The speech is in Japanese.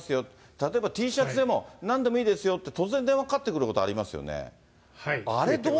例えばＴシャツでも、なんでもいいですよって突然電話かかってくることありますよね。